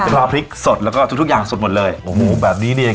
ก็พอพริกสดแล้วก็ทุกอย่างสดหมดเลยอรูหูแบบนี้เนี่ย